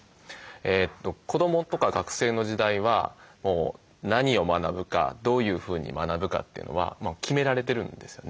子どもとか学生の時代は何を学ぶかどういうふうに学ぶかというのは決められてるんですよね。